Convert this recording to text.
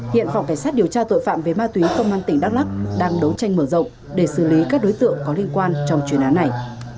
hiện phòng cảnh sát điều tra tội phạm về ma túy công an tỉnh đắk lắc đang đấu tranh mở rộng để xử lý các đối tượng có liên quan trong chuyên án này